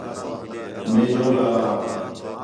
مئے جوں لالام